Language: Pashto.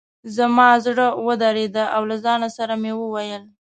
زما زړه ورېږده او له ځان سره مې وویل.